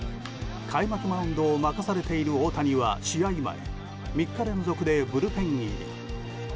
開幕マウンドを任されている大谷は試合前３日連続でブルペン入り。